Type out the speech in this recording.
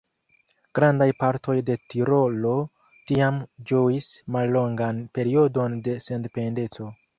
Grandaj partoj de Tirolo tiam ĝuis mallongan periodon de sendependeco.